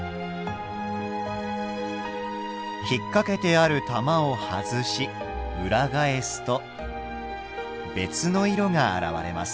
引っ掛けてある玉を外し裏返すと別の色が現れます。